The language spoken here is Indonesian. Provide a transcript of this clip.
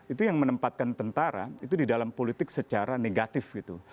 itu yang menempatkan tentara itu di dalam politik secara negatif gitu